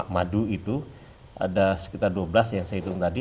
madu itu ada sekitar dua belas yang saya hitung tadi